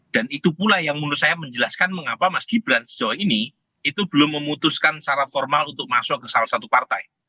dan itu pula yang menurut saya menjelaskan mengapa mas gibran sejauh ini itu belum memutuskan secara formal untuk masuk ke salah satu partai